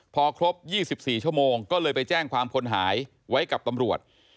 พอครบ๒๔ชั่วโมงก็เลยไปแจ้งความคนหายไว้กับตำรวจ